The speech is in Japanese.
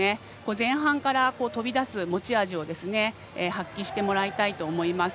前半から飛び出す持ち味を発揮してもらいたいと思います。